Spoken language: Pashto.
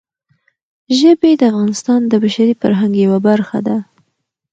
ژبې د افغانستان د بشري فرهنګ یوه برخه ده.